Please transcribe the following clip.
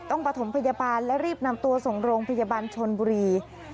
ประถมพยาบาลและรีบนำตัวส่งโรงพยาบาลชนบุรี